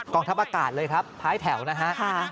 องทัพอากาศเลยครับท้ายแถวนะฮะ